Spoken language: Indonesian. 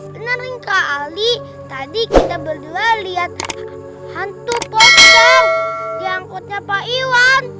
benerin kak ali tadi kita berdua lihat hantu pojok di angkotnya pak iwan